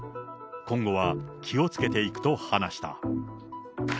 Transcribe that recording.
今後は気をつけていくと話した。